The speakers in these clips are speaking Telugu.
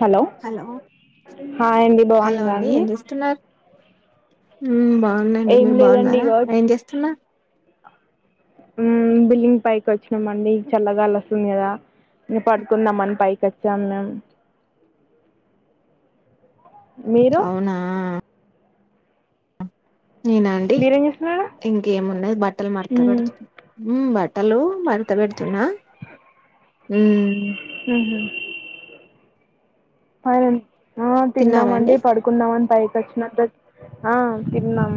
హలో హాయ్ అండి బాగున్నారా అండి ఏం చేస్తున్నారు హ్మ్ బాగ్ బావున్నా అండి ఏం మీరు లేదండి బాగున్నారా ఇగో ఏం చేస్తున్నా మ్మ్ బిల్లింగ్ పైకి వచ్చినాంమండి చల్లగాలి వస్తుంది కదా ఇంక్ పడుకున్నాంమని పైకి పచోణ్ణం అవునా నేనా అండి మీరేం చేస్తున్నారు ఇంకేమున్నాయ్ బట్టలు మడత మ్మ్ పెడుతునా మ్మ్ బట్ బట్టలు మడ్తపెడ్తున్న హ్మ్ హ్మ్ తరుణ్ ఆ తిన్నారా తిన్నామండి అండి పడుకుందామని పైక్ తచ్చిణ తచ్చి తిందాం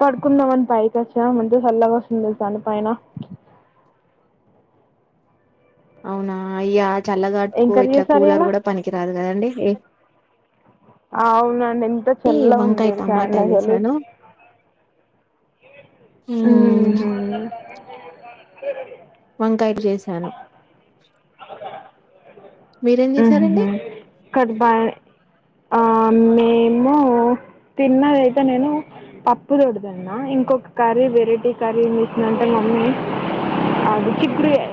పడుకుందాంమ అని పైకీ వచ్చిం మంచి గా చల్లగా వస్తుంది పైన అవునా అయ్యా ఏం చల్లగాడుపుకు కర్రీ ఇట్లా చేశారు కూలర్ ఇయ్యాల కూడా పనికిరాదు కదండి అవునండి ఎంత ఏంటి చల్ల ఉంది వంకాయ చండ టమాటా హాలు చేసాను మ్ మ్మ్ హా వంకాయలు చేశాను మ్ చేసారండి హా కట్ బ ఆ మేము తిన్నదయితే నేను పప్పు దొడద అన్న ఇంకొక కర్రీ వెరైటీ కర్రీ తీసినంటే మమ్మీ అది చిక్కుడుకాయి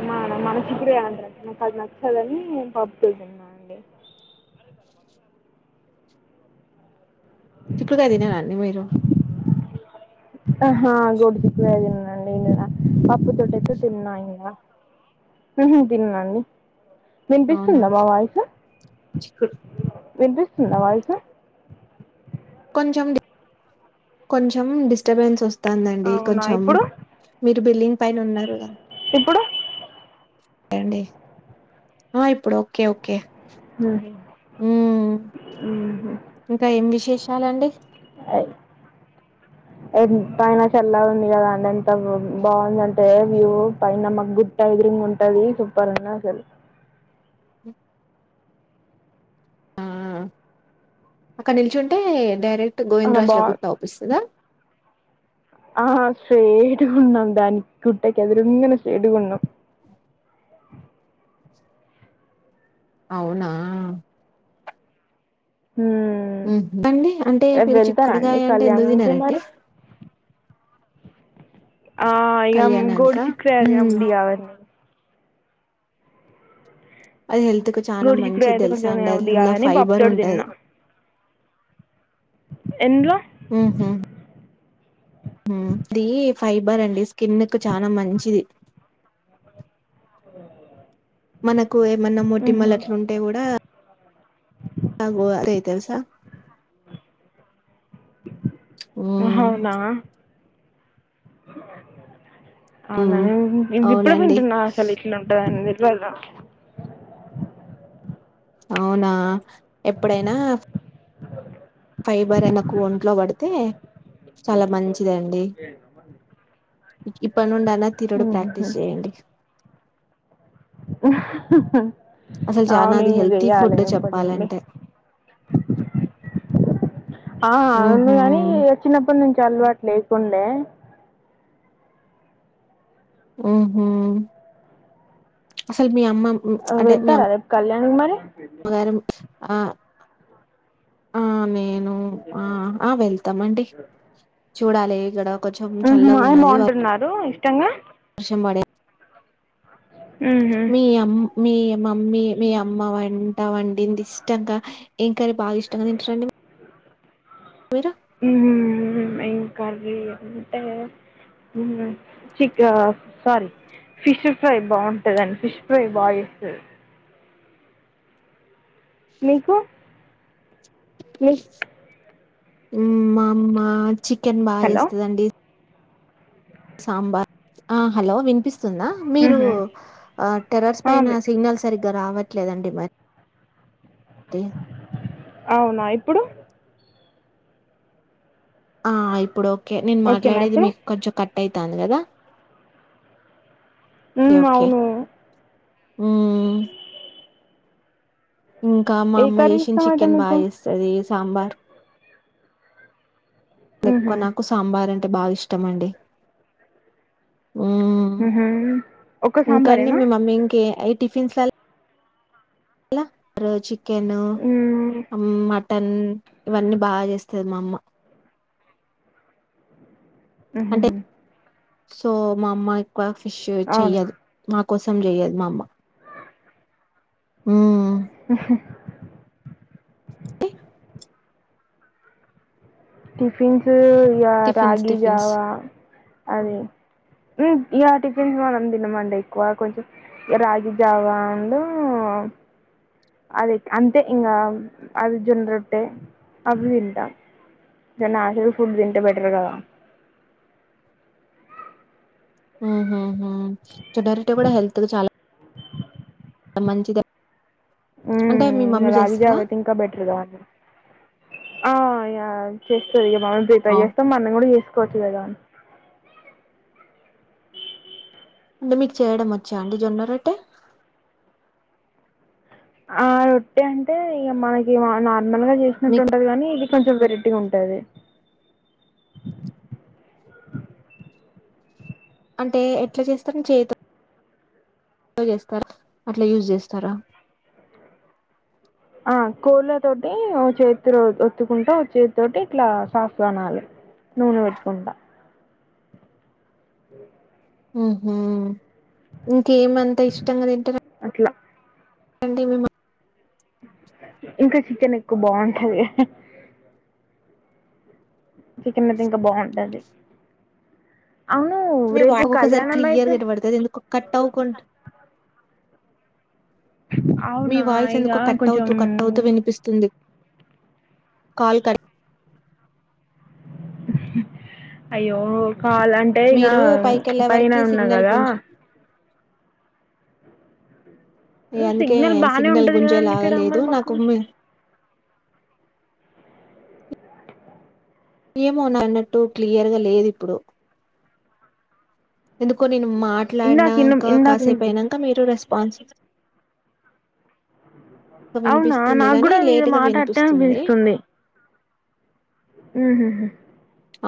మన చిక్కుడుకాయ అంటరు నాకు అది నచ్చాదని పప్పే తిన్న అండి చిక్కుడుకాయ తినరా అండి మీరు ఆహా గోడుచిక్కుడుకాయ తిన్నండి. ఇలా పప్పు తోటైతే తిన్న ఇంగా. హా నేన్ తిన్నాండి అవునా వినిపిస్తుందా మా వాయిసు చిక్కుడు వినిపిస్ నా వాయిసు కొంచెం డి. కొంచెం డిస్టర్బెన్స్ వస్త్ తందాండి అవునా కొంచెం ఇప్పుడు మీక్ ఈ బిల్డింగ్ పైన ఉన్నారుాగా ఇప్పుడు ఎవండి ఆ ఇప్పుడు ఓకే ఓకే ఉహ్ హ్మ్ ఉహ్మ్ చాలండి ఐ అయి పైన సెల్లాగా ఉంది కదా అనిఅంటావ్ బాగుంది. అంటే వ్యూ పైన మాకు గుట్ట ఎదురూంగుంట్టది. సూపర్ ఉన్నద్ అసెల్ ఆహ్ అక్కడ నిల్చుంటే డైరెక్ట్ చాలా గోవిందరాజ్ ల గుట్ అవుపిస్తదా ఆహ్ స్ట్రీట్గున్నాం దానిక్. గుట్టకి ఎదురుంగాన్నే స్త్రేట్గున్నాం. అవునా మ్మ్. ఉహ్ హు కండి అంటే రేపు మీరు వెళ్తారా అండి చిక్కుడుకాయ అంటే ఎందుకు కళ్యాణంకి తినరండి. మరి ఆహ్ ఇగ గోడి కళ్యాణానికా చిక్కుడుకాయ్ హ్మ్ బుద్ది కదండి. అది హెల్త్ కు చానా గోడి చిక్కుడు మంచిది. అయితే తెలుస కొంచెం తినబుద్ధి అండల్ల కాదని ఫైబర్ పప్పుతోటి ఉంటది తిన్నా ఎందులో ఉహ్ హు ఉహ్మ్ దిగి ఫైబర్ అండి స్కిన్ కు చానా మంచిది. ఓహ్ మనక్ కు ఏమన్నా మోటిమ్మలు అట్లా ఉంటే గూడా. అదే తెలుసా హ్మ్ హావునా అవునా హ్మ్. నేన్ ఇదిప్పుడే అవునండి వింటున్నా. అసలు ఇట్లా ఉంటాదని వెల్ర కేన అవునా ఎప్పుడైనా ఫైబర్ ఐన కో ఒంట్లో పడితే చాలా మంచిదండి. ఇప్పట్నుండైనా తినుడు ప్రాక్టీస్ మ్హూ. చేయండి. ఆహ్ హా హా అసలు చానా అవును అది ఇంకా హెల్తీ చెయ్యాలి ఫుడ్ ఇప్పటి నుండి. చెప్పాలంటే ఆహ్ అవును ఉహు గాని ఇగ చిన్నప్పునుంచి తల్వాట్ లేకుండే. ఉహ్ హు అసల్ మీ అమ్మ అంటే మీ వెళ్తారా అమ్మ రేపు కళ్యాణికి మరి అమ్మగారు. ఆహ్ వ ఆ నేన్ ను ఆహ్ ఆ వెళ్తామండి. చూడాలే ఇ గడ ఉహుమ్.. ఆ [inaudible] బాగుంటున్నారు [unintelligible] మ్మడే ఉహు మీ అమ్ మీ మమ్మీ మీ అమ్మ వంట వండింది ఇష్టంగా ఇం కన్ బాగా ఇష్టంగా తింటారంండి పొయిరా మ్... ఏం కర్రీ అంటే మ్.. చిక్ సోరీ ఫిష్ ఫ్రై బావుంటది ఫిష్ ఫ్రై బాగా చేస్తది మీకు మిస్ మా అమ్మ చిక్ చికెన్ బా హలో జేస్తుదండి సాంబార్ ఆ.. హలో వినిపిస్త తుందా మీరు ఉహు అ టెర్రస్ ఆ పైన వి సిగ్నల్ సరిగ్గా రావట్ ట్లేదండి మరి అవున్ ఆ ఇప్పుడు ఒకే నేను ఓకేనా మాట్లాడేది ఇప్పుడు మీకు కొంచెం కట్ అయి తాన్దిగదా ఒకె ఉమ్ ఒకె అవును మ్.... ఇంకా మా ఏ అమ్మ కర్రీ చేషిన ఇష్టం అయితే చికెన్ బా మీకు చేస్తది సాంబార్ ఊహూ ఎక్కువ నాకు సాంబార్ అంటె బా ఇష్ట్ పడతమండి మ్.. ఊహూ ఒక్క ఇంకా అండి సాంబారేనా మి మమ్మీ ఇంకే. ఐట్ టిఫిన్ సాలట్ల రోజు కెను హ్మ్ మ్.. మట్ తన్ ఇవన్నీ బాగా చేస్త స్తది మమ్మ అంటే హుహుమ్ సో మా అమ్మాయ్ బా ఫిష్ అవునా చెయ్యదు మా కోసం జెయ్యాలి మా అమ్మ ఉమ్ టిఫిన్సు రా టిఫిన్స్ రాగి టిఫిన్స్. జావా అది ఇగ టిఫిన్స్ మనం తినమండి ఎక్కువ కొంచం రాగి జావా అడ్ అది అంతే ఇంకా అది జొన్న రొట్టె అవి తింటాం నాచురల్ ఫుడ్ తింటే బెటర్ కదా హ్ హ్ హ్ జొన్నారోట్టే గుడా హెల్త్ చాలా మంచిదే ఉ అంటే మీ ఇంకా మమ్మీ రాగి జేస్తదా? జావా అయితే ఇంకా బెటర్గా ఆ యా చెస్ అవును. [unintelligible] కొట్ లేదా మిమీక్ చేయడం వచ్చా అండి జొన్నరొట్టె ఆ రొట్ట అంటే మనకి నిమ్మళంగా మీకు చేసినట్టుంటది గనీ ఇది కొంచం వేరేటిగుంటది. అంటే ఎట్లా చేస్తారు చేయితో చేస్తారా అట్ల యూజ్ చేస్తారా ఆ కోళ్ళ తోటి ఓ చేతి ఒత్తుకుంటా చేతితోటి ఇట్లా సాఫ్గా అనాలీ నూనె పెట్టుకుంటా అ ఉ హ్ ఇంకేమంతా ఇష్టంగా తింటరన్ ట్లా ఏంటి మిమ ఇంక చికెన్ ఎక్కువ బాగుంటది చికెన్ అయితే ఇంకా బాగుంటది. అవును మీ రేపు వాయిస్ ఒక్కొక్కసారి కళ్యాణం క్లియర్ అయితే వినపడతది పడుతుంది ఎందుకో కట్ అవ్వకున్ మీ అవునా వాయిస్ ఇక ఎందుకో కట్ కొంచెం అవుతూ కట్ అవుతూ వినిపిస్తుంది. కాల్ క అయ్యో కాల్ అంటే ఇగ మీరు పైకెళ్ళే పైన వరకి ఉన్న సిగ్నల్ కదా కొంచెం అందుకే సిగ్నల్ బానే సిగ్నల్ ఉంటది కదండి గుంజేలాగ ఇక్కడ లేదు మరి నాకు మాకు ఏమో నా నెట్టు క్లియర్గా లేద్ ఇప్పుడు ఎందుకో నేను ఇందాక ఇ మాట్లాడినాక ఇందాక కాసేపు వినిపి అయినంక మీరు రెస్ [unintelligible] అవునా నాకు గుడా మీద లేట్‌గా మాట అట్టే వినిపిస్తుంది. అనిపిస్తుంది ఉ మ్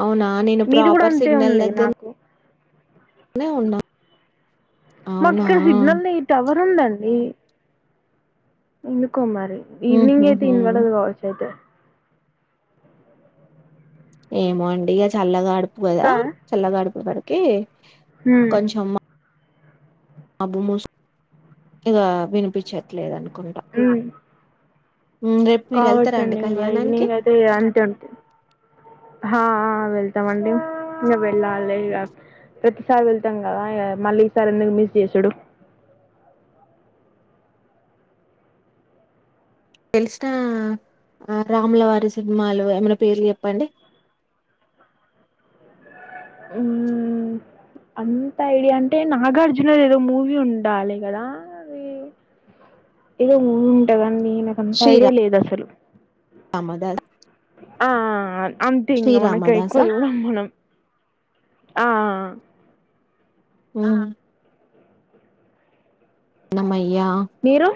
అవునా నేను మీది గుడా ప్రాపర్ అంతే ఉంది నాకు అనే ఉన్నా మాకు అవునా! ఇక్కడ సిగ్నల్నీ టవర్ ఉందండి ఇందుకో మరి ఈవినింగ్ అయితే హుహుహు. ఇన్వడదు కావచ్చు అయితే ఏమో అండి ఇక చల్లగా ఆడు తప్పు కదా కా చల్లగా అడుపు పడు క ఉమ్ కొంచం అబ్బు మూసు ఇ వినిపించట్లేదని మ్ రేపు మీరెళ్తారా కావచ్చండి అండి ఇంకా కళ్యాణానికి? ఈవినింగ్ అయితే అంటే ఉంటు హ హా వెళ్తామండి ఇక వెళ్ళాలి ఇక ప్రతిసారి వెళ్తాం కదా ఇక మళ్ళీ ఈసారి ఎందుకు మిస్ చేసుడు తెలిసిన రాములవారి సినిమాలు ఏమైనా పేరు చెప్పండి ఉ అంత ఐడియా అంటే నాగార్జున గది ఏదో మూవీ ఉండాలి కదా అది ఏదో మూవీ ఉంటాదండి నాకు అంత ఐడియా లేదు అసలు శ్రీరామదాస్ ఆ అంతేంగ మనకి శ్రీరామదాసా అకురు మనం ఆ ఆ అమై యా మీరు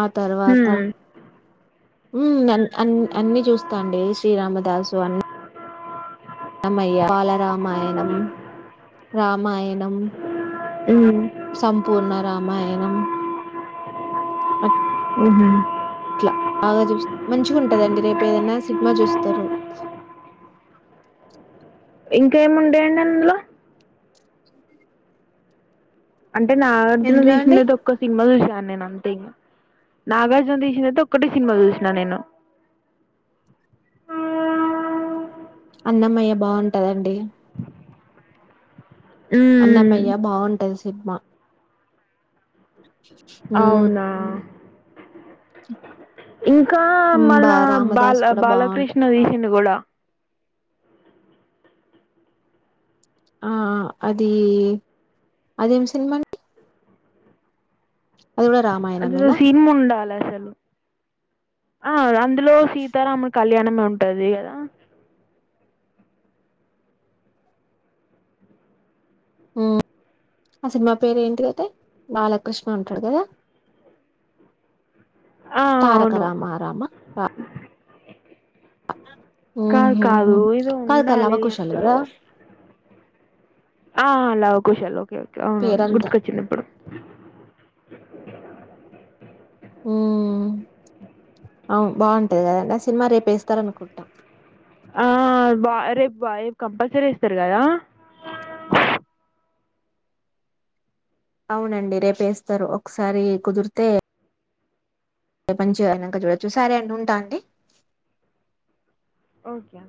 ఆ తర్వాత మ్మ్ అ అన్ని చూస్తాండి శ్రీరామదాసు అన్ని రమయ్య బాలరామాయణం రామాయణం సంపూర్ణ రామాయణం అ ఉహ ఇట్లా బాగా చూ మంచిగా ఉంటదండి రేపు ఏదనా సినిమా చూస్తారు ఇంకేమి ఉండేయండి అందులో అంటే నాగార్జున ఎందులో అండి చేసినది ఒక్క సినిమా చూశాను నేను అంతే ఇం నాగార్జున తీసినయితే ఒక్కటే సినిమా చూసినా నేను అన్నమ్మయ్య బావుంటుదండి మ్మ్ అన్నమ్మయ్యా బాగుంటుంది సినిమా అవునా ఇంకా ఉమ్ బా మళ్ళా బాల రామదాసు కూడా బాగుంటది బాలకృష్ణ తీసింది కూడా ఆ అది అదేం సినిమా అండి అది కూడా అది రామాయణమేనా సినిన్ ఉండాల అసలు ఆ రా ల్లో సీతారాముల కళ్యాణం నం ఉంటది కదా హు అసలు మా పేరు ఏంటిదాట బాలకృష్ణ అంటాడు కదా ఆ తారక అవును రామ రామ రా మ్ కాదు కాదు హు ఏదో కాదు కాదు ఉండాలి లవకూషాలు అందులో కదా ఆ ఆ లవకుశలు ఓకే ఓకే అవునవును పేరంతా గుర్తుకొచ్చింది ఇప్పుడు హు అవు బాగుంటుది కదా సినిమా రేపు వేస్తారనుకుంటా ఆ బా రేపు బా కంపల్సరీ ఏస్తారు కదా అవునండి రేపు ఏస్తారు ఒకసారి కుదిరితే పంచ్చి చేయనాక చూడచ్చు సారే అండి ఉంటా అండి ఓకే